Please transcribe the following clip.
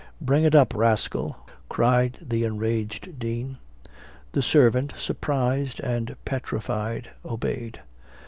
"Bring it up, rascal!" cried the enraged dean. The servant, surprised and petrified, obeyed.